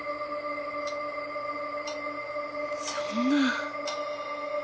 そんな。